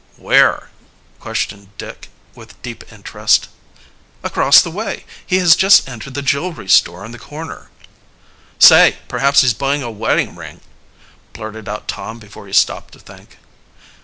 "Where?" questioned Dick with deep interest. "Across the way. He has just entered the jewelry store on the corner." "Say, perhaps he's buying a wedding ring," blurted out Tom before he stopped to think.